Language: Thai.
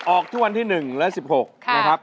ออกทุกวันที่๑และ๑๖นะครับ